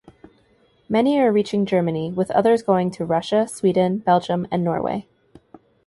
Many are reaching Germany, with others going to Russia, Sweden, Belgium, and Norway.